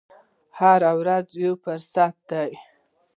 هره ورځ یو فرصت دی.